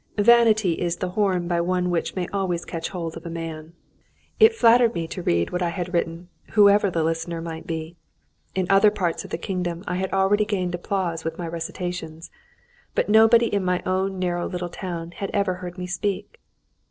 Vanity is the horn by which one may always catch hold of a man. It flattered me to read what I had written, whoever the listener might be. In other parts of the kingdom I had already gained applause with my recitations, but nobody in my own narrow little town had ever heard me speak.